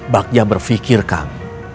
bagjah berpikir kak